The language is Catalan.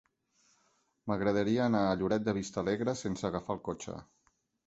M'agradaria anar a Lloret de Vistalegre sense agafar el cotxe.